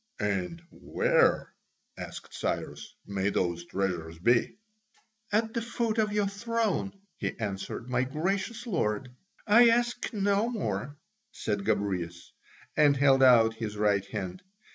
"And where," asked Cyrus, "may those treasures be?" "At the foot of your throne," he answered, "my gracious lord." "I ask no more," said Gobryas, and held out his right hand.